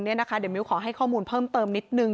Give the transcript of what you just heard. เดี๋ยวมิ้วขอให้ข้อมูลเพิ่มเติมนิดนึง